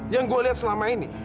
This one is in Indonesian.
yang gue lihat selama ini